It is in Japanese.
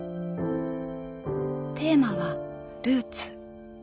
テーマは「ルーツ」。